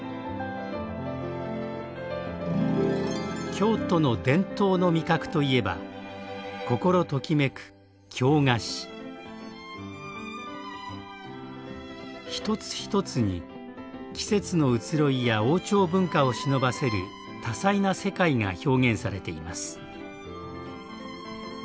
京都の伝統の味覚といえば一つ一つに季節の移ろいや王朝文化をしのばせる多彩な世界が表現されています。